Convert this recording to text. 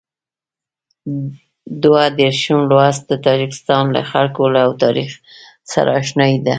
دوه دېرشم لوست د تاجکستان له خلکو او تاریخ سره اشنايي ده.